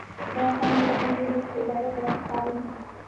عمران خان کا مقدمہ یہ ہے کہ ادارے غیر فعال ہیں۔